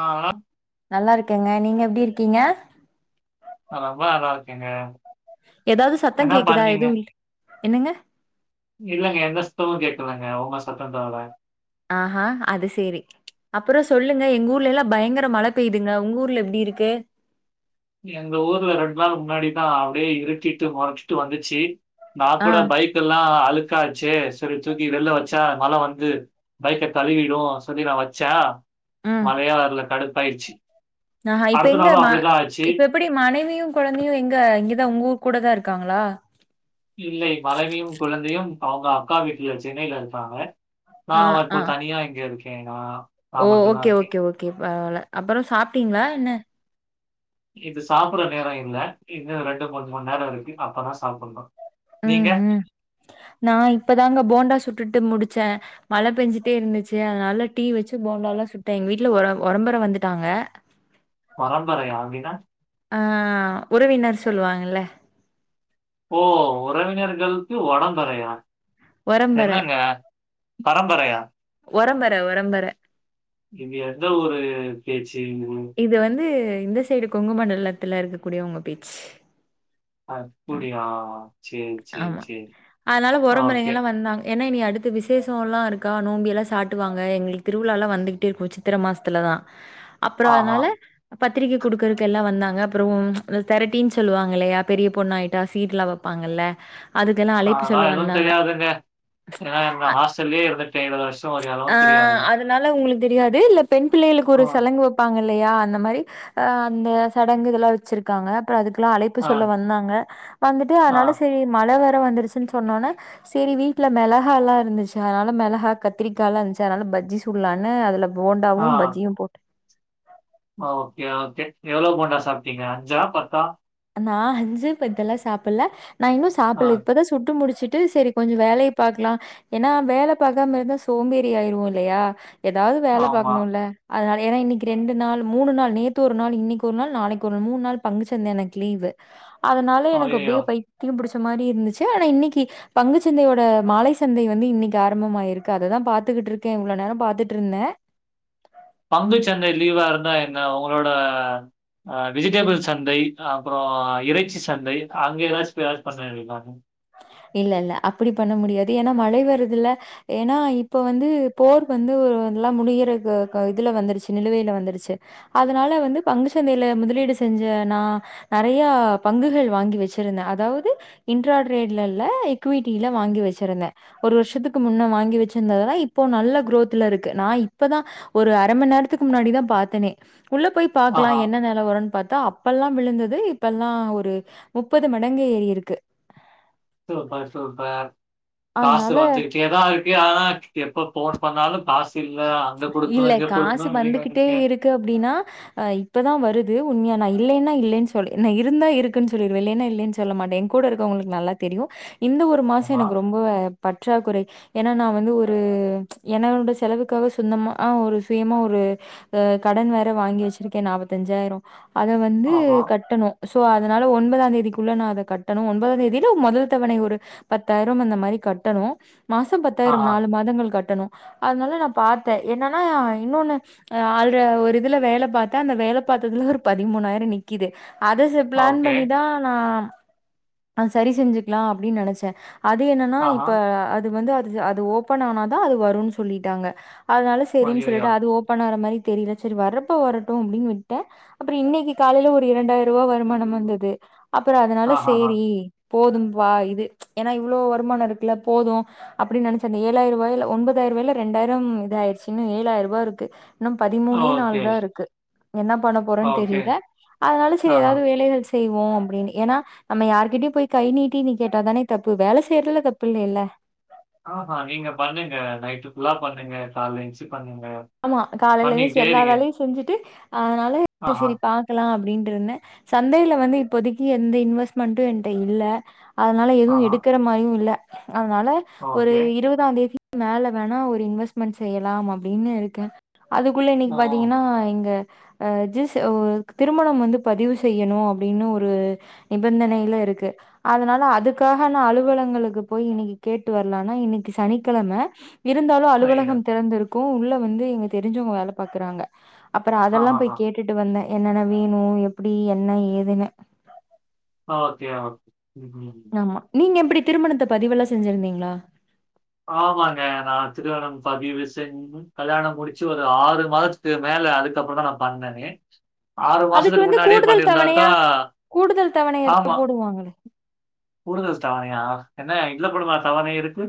ஆ நல்லாருக்கங்க நீங்க எப்டிருக்கீங்க நா ரொம்ப நல்லாருக்கேங்க ஏதாவது சத்தோ கேக்குதா எதுவு இல்லங் என்னங்க இல்லங்க எந்த சத்தமும் கேக்கலங்க உங்க சத்தோ தவற அ ஹா அது சேரி அப்புறோ சொல்லுங்க எங்க ஊர்லெல்லா பயங்கர மழ பெய்துங்க உங்க ஊர்ல எப்டி இருக்கு எங்க ஊர்ல ரெண்டு நாள் முன்னாடிதா அப்டியே இருட்டிட்டு மொறைச்சிட்டு வந்துச்சி நா ஆ கூட பைக் குல்லா அழுக்காச்சே செரி தூக்கி வெள்ல வச்சா மழ வந்து பைக்க கழுவிடு சொல்லி நா வச்சா மழையே வர்ல கடுப்பாயிடுச்சி அ ஹ இப்ப எங்க மா இப்ப எப்டி மனைவியு குழந்தையு எங்க இங்கதா உங்க கூட தா இருக்காங்களா இல்லை மனைவியும் குழந்தையும் அவங்க அக்கா வீட்ல சென்னையில இருக்காங்க நா ஆ வ இப்போ ஆ தனியா இங்க இருக்கே நா ஓ ஓகே ஓகே ஓகே பரவால்ல அப்பறோ சாப்ட்டீங்களா என்ன இது சாப்புட்ற நேரோயில்ல இன்னு ரெண்டு மூன் மண் நேரோ இருக்கு அப்போதா சாப்புட்ணு நீங்க நா இப்போதாங்க போண்டா சுட்டுட்டு முடிச்சே மழ பெஞ்சுட்டே இருந்துச்சு அதனால டீ வச்சு போண்டால்லா சுட்டே எங்க வீட்ல ஒரம் ஒரம்பற வந்துட்டாங்க ஒரம்பரையா அப்டின்னா அ உறவினர் சொல்லுவாங்கல்ல ஓ உறவினர்களுக்கு உடம்பறையா ஒரம்பர என்னாங்க பரம்பரையா உரம்பர உரம்பர இது எந்த ஊரு பேச்சு ங்க இது இது வந்து இந்த சைடு கொங்கு மண்டலத்துல இருக்கக் கூடியவங்க பேச்சு ம். அப்புடியா சேரி சேரி, ஆமா சேரி. அதனால உரம்பரைங்க ஓகே. எல்லா வந்தாங் ஏன்னா இனி அடுத்து விசேஷல்லா இருக்கா நோம்பியெல்லாம் சாட்டுவாங்க எங்களுக்கு திருவிழாலாம் வந்துகிட்டே போச்சு சித்திர மாசத்தல தா அப்புறம் ஆஹா! அதனால பத்திரிக்கை குடுக்கறக்கு எல்லா வந்தாங்க அப்புறம் உம் அந்த திரட்டின்னு சொல்லுவாங்க இல்லையா பெரிய பொண்ணாயிட்டா சீட்லா வெப்பாங்கில்ல அதுக்கென அழைப்பு சொல்ல அதெல்லாம் எதுவும் வந்தாங்க தெரியாதுங்க. ஏன்னா எங்க ஹாஸ்டல்லயே இருந்தேழு வருஷம் ஒர் இளவும் பிரியாதுங்க அத்னால உங்களுக்கு தெரியாது இல்ல பெண் பிள்ளைகளுக்கு ஒரு சலங்கு வப் ப்பாங்க இல்லையா அந்த மாறி அ அந்த சடங்கு இதெல்லாம் வச்சிருக்காங்க அதுக்கெல்லாம் அழைப்பு சொல்ல அ, வந்தாங்க வந்துட்டு அ, அனால சேரி மழ வேற வந்துருச்சுன்னு சொன்னனோன்ன சேரி வீட்ல மிளகால்லா இருந்துச்சா அனால மிளகாத் கத்திரிக்கால்லாம் இருந்சி அதனால பஜ்ஜி சுட்லான்னு அதுல போண்டாவும் பஜ்ஜியும் போட் ஆ ஓகே ஓகே எவ்ளோ போண்டா சாப்டீங்க அஞ்சா பத்தா அ நா அஞ்சு பத்தெல்லாம் சாப்பிட்ல நா இன்னும் அ, சாப்புடல இப்பதான் ஸ் சுட்டு முடிச்சிட்டு சேரி கொஞ்சோ வேலைய பாக்கலாம் ஏன்னா வேலை பாக்காம இருந்தா சோம்பேறி ஆயிருவோம் இல்லையா ஏதாவது வேலை ஆமா. பாக்கணுல்ல அதனால ஏன்னா இன்னைக்கு ரெண்டு நாள் மூணு நாள் நேத்து ஒரு நாள் இன்னைக்கு ஒரு நாள் நாளைக்கு ஒரு நாள் மூன்நாள் பங்குசந்தை எனக்கு லீவு அதனால எனக்கு அய்யய்யோ! அப்டியே பைத்தியம் புடிச்ச மாறி இருந்துச்சு ஆனா இன்னிக்கி பங்குச்சந்தையோட மாலை சந்தை வந்து இன்னைக்கு ஆரம்பமாயிருக்கு அதைதான் பாத்துகிட்டு இருக்கேன் இவ்வளவு நேரம் பாத்துட்டு இருந்தேன் பங்கு சந்தை லீவா இருந்தா என்ன உங்களோட அஹ் வெஜிடபிள் சந்தை அப்புறம் இறைச்சி சந்தை அங்கே ஏதாச்சும் டிரேட் பண்ண வேண்டிதான இல்ல இல்ல அப்டி பண்ண முடியாது ஏன்னா மழை வருதுல ஏன்னா இப்ப வந்து போர் வந்து ஒரு இதெல்லாம் முடியிற க்கு கு இதுல வந்துருச்சு நிலுவைல வந்துருச்சு அதனால வந்து பங்குச்சந்தையில முதலீடு செஞ்ச நான் நறையா பங்குகள் வாங்கி வச்சிருந்தேன் அதாவது இ ன்ட்ரா டிரேட்ல இல்ல ஈக்விட்டில வாங்கி வச்சிருந்தேன் ஒரு வருஷத்துக்கு முன்ன வாங்கி வச்சிருந்ததெல்லாம் இப்போ நல்ல குரோத்ல இருக்கு நான் இப்பதான் ஒரு அரை மணி நேரத்துக்கு முன்னாடிதான் பாத்தனே உள்ள போய் பாக்கலாம் ஆஹா! என்ன நெ லவரம்ன்னு பாத்தா அப்பெல்லாம் விழுந்தது இப்பெல்லாம் ஒரு முப்பது மடங்கு ஏரி இருக்கு சூப்பர் சூப்பர் காசு அதனால வந்துகிட்டே தான் இருக்கு ஆனா எப்ப போன் பண்ணாலும் காஸ் இல்ல அங்க கொடுக்கனும் இங்க கொடுக்கணும் வீடு வாங்கிட்டீங்க கு அப்டின்னா ஆ இப்பதான் வருது உண்மையா நான் இலைன்னா இல்லன்னு சொல் இருந்தா இருக்குன்னு சொல்லிருவேன் இலைன்னா இல்லன்னு சொல்ல மாட்டேன் கூட இருக்கவங்களுக்கு நல்லா தெரியும் இந்த ஒரு மாசம் ஆஹா, எனக்கு ரொம்ப பற்றாக்குறை எனா நான் வந்து ஒரு என்னோட செலவுக்கு க்க சொந்தமா ஒரு சுயமா ஒரு கடன் வேற வாங்கி வச்சிருக்கேன் நாற்பத்தஞ்சாயிரம் அத வந்து ஆஹா, கட்டணும் சோ அதனால ஒன்பதாம் தேதிக்குள்ள நான் அதை கட்டணும் ஒன்பதாம் தேதியில முதல் தவணை ஒரு பத்தாயிரம் அந்த மாரி கட்டணு மாசம் பத்தாயிரம் ஆஹா. நாலு மாதங்கள் கட்டணு அதனால நா பாத்தே என்னன்னா இன்னொன்னு அ ஆல்ரெ ஒரு இதுல வேல பாத்தே அந்த வேல பாத்ததுல ஒரு பதிமூணாயிர நிக்கிது அத ச பிளான் ஓகே. பண்ணிதா நா அ சரி செஞ்சுக்லா அப்டின்னு நெனைச்சே அது என்னன்னா ஆஹா. இப்போ அது வந்து அது அது ஓப்பன் ஆனாதா அது வரும்னு சொல்லிட்டாங்க அதனால சேரின்னு ஐயய்யோ! சொல்லிட்டு அது ஓப்பன் ஆவுற மாரி தெரில சேரி வர்றப்ப வரட்டு அப்டின்னு விட்டே அப்பறோ இன்னைக்கி காலையில ஒரு இரண்டாயிரம் ரூவா வருமானம் வந்தது அப்பறோ அதனால ஆஹாஹா. சேரி போதும்பா இது ஏன்னா இவ்ளோ வருமான இருக்குல போது அப்டின்னு நெனைச்சே அந்த ஏழாயிரரூவாய்ல ஒன்பதாயிர ரூவாயில ரெண்டாயிரம் இதா ஆயிடுச்சு இன்னு ஏழாயிரரூவா இருக்கு இன்னு ஓகே, பதிமூனேநாளுதா இருக்கு என்ன பண்ண போறேன்னு ஓகே. தெரில அதனால சேரி ஆஹா. ஏதாவது வேலைல செய்வோ அப்டின்னு ஏன்னா நம்ம யார்கிட்டயு போய் கை நீட்டி நீ கேட்டாதானே தப்பு வேலை செய்யறதுல தப்பு இல்லைல்ல ஆமா நீங்க பண்ணுங்க, நைட்டு ஃபுல்லா பண்ணுங்க, கால்ல எந்துச்சு பண்ணுங்க, ஆமா காலையில எந்துச்சு பண்ணிக்கிட்டே எல்லா இருங்க. வேலையு செஞ்சுட்டு அதனால ஆஹா, சேரி பா க்கலா அப்டின்ருந்தே சந்தையில வந்து இப்போதைக்கு எந்த இன்வெஸ்மெண்ட்டு என்ட்ட இல்ல அதனால எதுவு ஆஹா. எடுக்கற மாரியு இல்ல அதனால ஒரு ஓகே. இருவ தாந்தேதிக்கு மேல வேணா ஒரு இன்வெஸ்ட்மெண்ட் செய்யலாம் அப்டின்னு இருக்கே அதுக்குள்ள ஆ. இன்னைக்கு பாத்தீங்கனா எங்க வு ரெஜீஸ் ஒரு திருமணம் வந்து பதிவு செய்யணு அப்டின்னு ஒரு நிபந்தனையில இருக்கு அதனால அதுக்காக நா அலுவலகங்களுக்கு போய் இன்னைக்கி கேட்டு வரலான்னா இன்னைக்கி சனிக்கெழம இருந்தாலு ஐயோ! அலுவலகம் திறந்திருக்கு உள்ள வந்து எங்க தெரிஞ்சவங்க வேல பாக்குறாங்க அப்பறோ அதெல்லா ஆஹாஹா. போய் கேட்டுட்டு வந்தே, என்னென்ன வேணு எப்டி என்ன ஏதுன்னு ஆ ஓகே ஓ, ம் ஆமா, நீங்க எப்படி திருமணத்த பதிவெல்லா செஞ்சிருந்தீங்களா ஆமாங்க, நா திருமணம் பதிவு செஞ் ம், கல்யாணம் முடிச்சு ஒரு ஆறு மாதத்துக்கு மேல அதுக்கப்பறந்தா நா பண்ணனே ஆறு அதுக்கு மாசத்துக்கு வந்து முன்னாடியே கூடுதல் பண்ணிருந்தாக்கா தவணையா கூடுதல் தவணை ஏதோ ஆமா போடுவாங்களே கூடுதல் தவணையா, என்ன இதுல கூடவா தவணை இருக்கு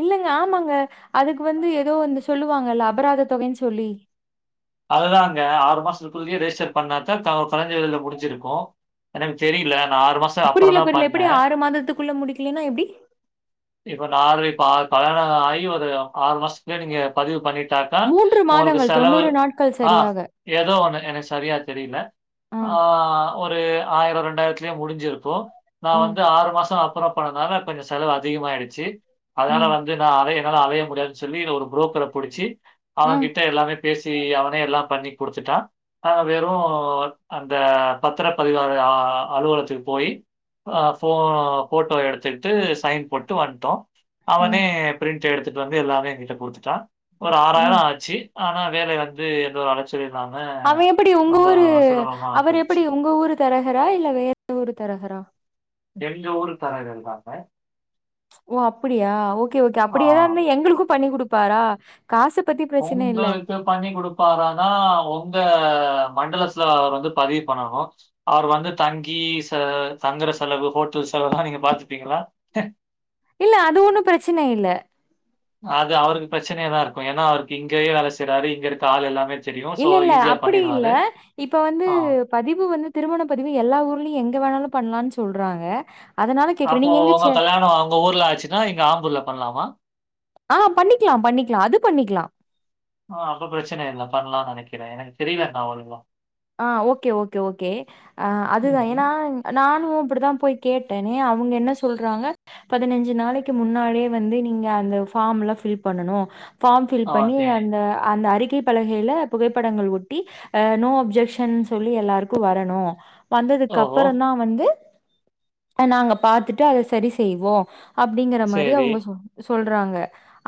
இல்லங்க ஆமாங்க அதுக்கு வந்து ஏதோ வந்து சொல்லுவாங்கல்ல அபராதத்தொகைனு சொல்லி அதுதாங்க ஆறு மாசத்துக்குள்ளயே ரெஜிஸ்டர் பண்ணாதா த கொறஞ்ச வெலைல முடிஞ்சிருக்கு எனக்கு தெரில நா ஆறு மாச புரியல புரியல எப்படி ஆறு மாதத்துக்குள்ள முடிக்கலைனா எப்டி இப்ப நா ஆறு இப்ப ஆறு கல்யாண ஆகி ஒரு ஆறு மாசத்துலயே நீங்க பதிவு பண்ணிட்டா தா மூன்று உங்களுக்கு மாதங்கள் செலவு தொண்ணூறு நாட்கள் ஆ, சரியாக ஏதோ ஒன்னு எனக்கு சரியா தெரில, ஆ ஒரு ஆயிரம் ரெண்டாயிரத்துலயே முடிஞ்சிருக்கு நா ம் வந்து ஆறு மாசோ அப்பறமா பண்ணதுனால கொஞ்சோ செலவு அதிகமாயிடுச்சு அதனால ம் வந்து நா அலைய என்னால அலைய முடியாதுன்னு சொல்லி ஒரு புரோக்கர புடிச்சு ம் அவகிட்ட எல்லாமே பேசி சி அவனே எல்லா பண்ணி குடுத்துட்டா நாங்க வெறு அந்த பத்திர பதிவு அ அலுவலத்துக்கு போயி அ ஃபோ ஃபோட்டோ எடுத்துகிட்டு சைன் போட்டு வந்ட்டோ ம் அவனே பிரிண்ட் எடுத்துட்டு வந்து எல்லாமே என்கிட்ட குடுத்துட்டா ஒரு ம் ஆறாயிரம் ஆச்சு ஆனா வேலை வந்து ஏதோ அலை ச்சல் இல்லாம அவ எப்படி உங்க ரொம்ப ஊரு சுலபமா அவர் போயிடுச்சு. எப்படி உங்க ஊரு தரகரா இல்ல வேற ஊரு தரகரா எங்க ஊரு தரகதுதாங்க ஓ அப்புடியா ஓகே ஓகே ஆ அப்படிய ஏதா இருந்தா எங்களுக்கு பண்ணி குடுப்பாரா காசு பத்தி பிரச்சனை இல்ல உங்களுக்கு பண்ணி குடுப்பாரானா உங்க மண்டலஸ்ல அவர் வந்து பதிவு பண்ணணு அவரு வந்து தங்கி ச தங்குற செலவு ஹோட்டல் செலவெல்லா நீங்க பாத்துப்பீங்களா இல்ல அது ஒண்ணு பிரச்சன இல்ல அது அவருக்கு பிரச்சனையதா இருக்கு ஏன்னா அவருக்கு இங்கயே வேல செய்யறாரு இங்க இருக்க ஆள் எல்லாமே தெரியும். ஸோ, இல்ல இல்ல ஈஸியா அப்படி இல்ல பண்ணிருவாரு. இப்ப வந்து ஆ பதிவு வந்து திருமண பதிவு எல்லா ஊர்லயு எங்க வேணாலு பண்ணலான் சொல்றாங்க அதனால கேக்குறேன் அப்போ நீங்க எங்க உங்க சே கல்யாணம் உங்க ஊர்ல ஆச்சுன்னா இங்க ஆம்பூர்ல பண்ணலாமா ஆ பண்ணிக்லா பண்ணிக்லா அது பண்ணிக்லா ஆ அப்ப பிரச்சன இல்ல பண்ணலான் நெனைக்கறே தெரியல நான் [unintelligible] ஆ ஓகே ஓகே ஓகே அதுதா ம்ஹ்ம். ஏன்னா நானு அப்டிதா போய் கேட்டேனே அவங்க என்ன சொல்றாங்க பதினஞ்சு நாளைக்கு முன்னாலே வந்து நீங்க அந்த ஃபார்ம் எல்லா பில் பண்ணனு ஃபார்ம் பில் பண்ணி ஓகே. அந்த அந்த அறிக்கை பலகையில புகைப்படங்கள் ஒட்டி நோ அப்ஜெக் ஷன் சொல்லி எல்லாருக்கு வரணு வந்ததுக்கு ஓஹோ! அப்பரந்தா வந்து நாங்க பாத்தட்டு அத சரி செய்வோ அப்டிங்கற மாரி சரி. அவங்க சொன் சொல்றாங்க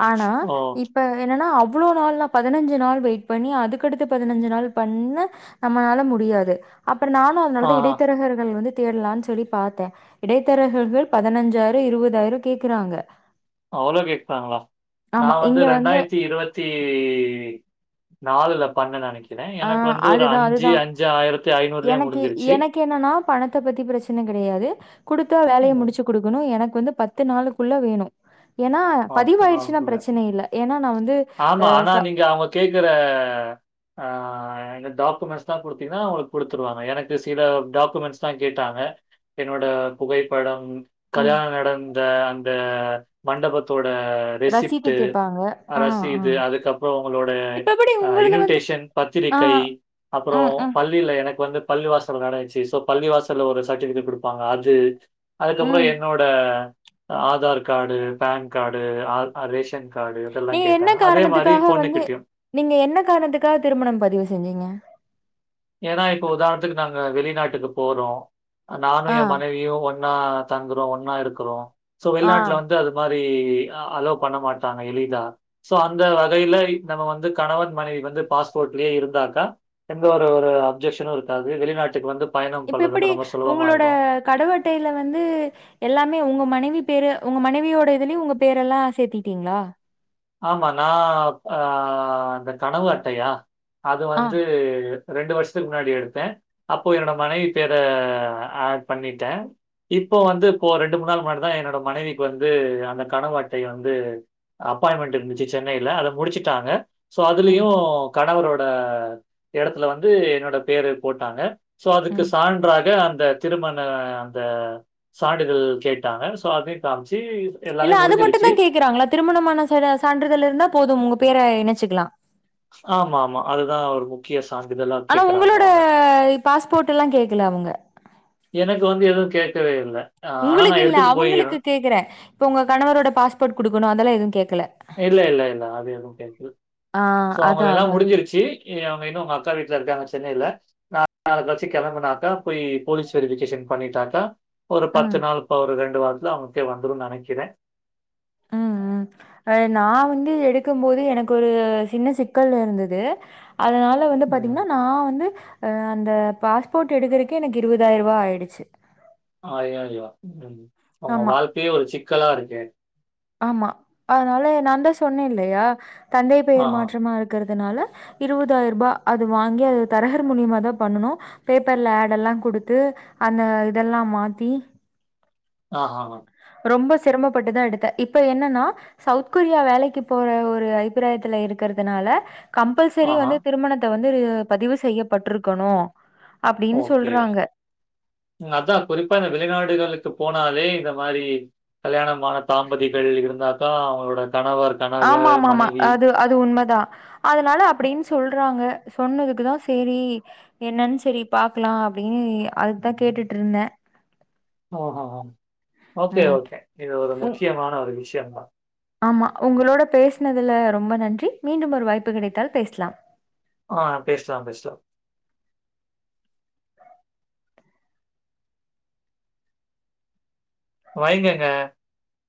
ஆனா ஓ! இப்ப என்னன்னா அவ்வளோ நாள்லா பதினஞ்சு நாள் வெயிட் பண்ணி அதுக்கடுத்து பதினஞ்சு நாள் பண்ண நம்மனால முடியாது அப்ரோ நானு அதனாலதா ஆஹா. இடைத்தரகர்கள் வந்து தேடலான் சொல்லி பாத்த இடைத்தரகர்கள் பதனஞ்சாயிரோ இருபதாயிரோ கேக்குறாங்க அவ்ளோ கேக்றாங்களா நா ஆமா வந்து இங்க ரெண்டாயிரத்தி இருவத் தி நாலுல பண்ண நெனைக் கிற ஆ எனக்கு வந்து ஒரு அதுதான் அஞ்சு அதுதான் அஞ்சு ஆயிரத்தி ஐநூறுலயே முடிஞ்சிருச்சு க்கு என்னன்னா பணத்த பத்தி பிரச்சன கெடையாது குடுத்தா வேலைய ம். முடிச்சு குடுக்கணு எனக்கு வந்து பத்து நாளுக்குள்ள வேணு ஏன்னா பத்து பதிவாயருச்சுன்னா நாளுக்குள்ள. பிரச்சன இல்ல ஏன்னா நான் வந்து அ கேக்குற ஆ இந்த டாக்குமெண்ட்ஸ்லா குடுத்தீங்கன்னா ஒங்களுக் குடுத்துருவாங்க எனக்கு சில டாக்குமெண்ட்ஸ்லா கேட்டாங்க என்னோட புகைப்படம் ம் கல்யானோ நடந்த அந்த மண்டபத்தோட ரசீது ரெசிப்டு கேப்பாங்க ஆ ஆ ரசீது அதுக்கப்பறோ ஒங்களோட இப்ப எப்டி அ உங்களுது வந்து இன்விடேஷன் ஆ பத்திரிக்கை அப்பறோ ம் ம் பல் லில எனக்கு வந்து பள்ளிவாசல்ல நடந்துச்சு சோ பள்ளிவாசல்ல ஒரு சர்டிபிகேட் குடுப்பாங்க அது அதுக்கப்பறோ ம் என்னோட ஆதார் காடு பேன் காடு ஆ அ ரேஷன் காடு இதெல்லா நீங்க என்ன கேட்டாங்க அதே மாரி காரணத்துக்காக பொண்ணு வந்து கிட்டியு நீங்க என்ன காரணத்துக்காக திருமணம் பதிவு செஞ்சீங்க ஏன்னா இப்ப உதாரணத்துக்கு நாங்க வெளிநாட்டுக்கு போறோ நானு ஆ ஏ மனைவியு ஒன் ன்னா தங்குறோ ஒன்னா இருக்குறோ சோ ஆ வெளிநாட்டுல வந் ட்டு அது மாரி அலோ பண்ண மாட்டாங்க எளிதா சோ அந்த வகையில நம்ம வந்து கணவன் மனைவி வந்து பாஸ்போட்லயே இருந்தாக்கா எந்த த ஒரு அப்ஜெக்ஷனு இருக்காது வெளிநாட்டுக்கு வந்து பயணம் இப்ப பண்றது எப்படி வந்து ரொம்ப உங்களோட சுலபமாயிரும். கடவு அட்டையில வந்து எல்லாமே உங்க மனைவி பேரு உங்க மனைவியோட இதுலயு உங்க பேரெல்லா சேத்தீட்டீங்களா ஆமா நா ஆ அந்த கடவு அட்டையா அது ஆ வந்து ரெண்டு வருஷத்துக்கு முன்னாடி எடுத்தே அப்போ என்னோட மனைவி பேர ஆட் பண்ணிட்டே இப்போ வந்து இப்போ ரெண்டு மூணு நாள் முன்னாடி தா என்னோட மனைவிக்கு வந்து அந்த கடவு அட்டை வந்து அப்பாயின்மென்ட் இருந்துச்சு சென்னையில அத முடுச்சுட்டாங்க சோ ம் அதுலயு கணவரோட எடத்துல வந்து என்னோட பேரு போட்டாங்க சோ அதுக்கு ம் சான்றாக அந்த திருமண அந்த சான்றிதழ் கேட்டாங்க சோ அதையு காமிச்சு இல்ல எல்லாமே அது மட்டுந்தா முடிஞ்சிருச்சு. கேக்குறாங்களா திருமணமான சா சான்றிதழ் இருந்தா போதும் உங்க பேர இணச்சுக்கலா ஆமா ஆமா அதுதா ஒரு முக்கிய சான்றிதலா கேக்குறாங்க அவங்க பாஸ்போட்டெல்லா கேக்கல அவ்ங்க எனக்கு வந்து எதுவு கேட்கவே இல்ல அ ஆனா உங்களுக்கு நான் இல்ல எடுத்துட்டு போய் அவங்களுக்கு கேக்குறே இப்ப உங்க கணவரோட பாஸ்போட் குடுக்கணு அதெல்லா எதுவு கேக்கல இல்ல இல்ல இல்ல அது எதுவு கேக்கல ஆ சோ அவங்கள அதான் எல்லா அதான். முடிஞ்சிருச்சு இ அவங்க இன்னு அவங்க அக்கா வீட்ல இருக்காங்க சென்னையில நா நால கழச்சி கெளம்புனாக்கா போய் போலீஸ் வெரிபிகேஷன் பண்ணிட்டாக்கா ஒரு பத்து ம் நாள் இப்ப ஒரு ரெண்டு வாரத்துல அவங்களுக்கே வந்துருன்னு நெனக்கிறே ம் ம் அ நா வந்து எடுக்கும் போது எனக்கு ஒரு சின்ன சிக்கல் இருந்தது அதனா ல வந்து ம். பாத்தீங்கன்னா நா வந்து அ அந்த பாஸ்போட் எடுக்கிறக்கே எனக்கு இருவதாயருவா ஆயிடுச்சு அய்யய்யோ ம் ஒங்க ஆமா, வாழ்க்கயே ஒரு சிக்கலா இருக்கே ஆமா அதனால நாந்தா சொன்னேல்லையா தந்தை பெயர் ஆஹா, மாற்றமா இருக்கிறதுனால இருவதாயருபா அது வாங்கி அது தரகர் மூலியமா தா பண்ணுனோ பேப்பர்ல ஆட் எல்லா குடுத்து அந்த இதெல்லா மாத்தி ஆ ஹ ஆ ரொம்ப சிரமப்பட்டுதா எடுத்தே இப்ப என்னன்னா சவுத் கொரியா வேலைக்கு போற ஒரு அபிப்பிராயத்துல இருக்கறதுனால கம்பல்சரி ஆஹா. வந்து திருமணத்த வந்து பதிவு செய்யப்பட்ருக்கணு ஓகே அதா குறிப்பா இந்த வெளிநாடுகளுக்கு போனாலே இந்த மாரி கல்யாணம் மான தாம்பதிகள் இருந்தாத்தா அவங்களோட கணவர் கணவ ஆமாமாமா. மனைவி அது அது உண்மதா அதனால அப்டின்னு சொல்றாங்க சொன்னதுக்குதா சேரி என்னன்னு செரி பாக்கலா அப்டின்னு அதுக்குதா கேட்டுட்டு இருந்தே ம் ஹூ ம் ஓகே ம். ஓகே இது ஒரு உ முக்கியமான ஒரு விஷயந்தா ஆமா உங்ளோட பேசினதுல ரொம்ப நன்றி மீண்டும் ஒரு வாய்ப்பு கிடைத்தால் பேசலாம் ஆ பேசலாம் பேசலாம் வைங்கங்க